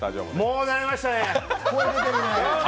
もう慣れましたね